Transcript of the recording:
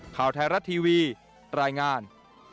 ข่าวไทยรัฐทีวีรายงาน